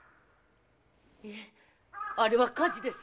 いえあれは火事です！